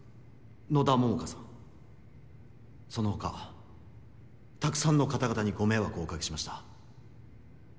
野田桃花さんその他たくさんの方々にご迷惑をおかけしました。